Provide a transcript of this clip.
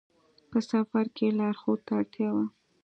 په سفر کې لارښود ته اړتیا وي.